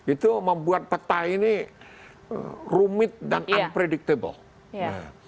itu membuat peta ini rumit dan unpredictable